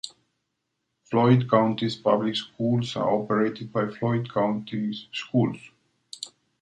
Floyd County's public schools are operated by Floyd County Schools.